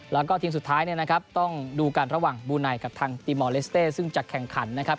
แล้วก็ทีมสุดท้ายเนี่ยนะครับต้องดูกันระหว่างบูไนกับทางตีมอลเลสเต้ซึ่งจะแข่งขันนะครับ